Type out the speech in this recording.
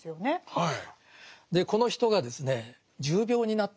はい。